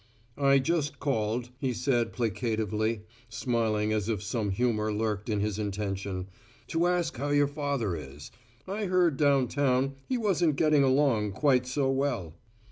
"I just called," he said placatively, smiling as if some humour lurked in his intention, "to ask how your father is. I heard downtown he wasn't getting along quite so well."